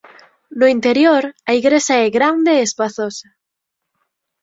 No interior a igrexa é grande e espazosa.